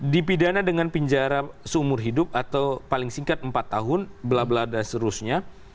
dipidana dengan pinjara seumur hidup atau paling singkat empat tahun blablabla dan seterusnya